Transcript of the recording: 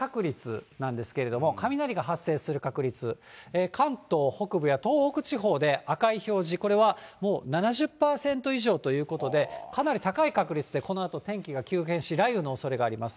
このあとの発雷確率なんですけれども、雷が発生する確率、関東北部や東北地方で赤い表示、これはもう７０％以上ということで、かなり高い確率で、このあと、天気が急変し、雷雨のおそれがあります。